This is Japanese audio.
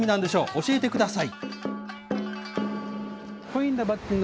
教えてください。